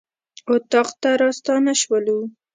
اطاق ته راستانه شولو.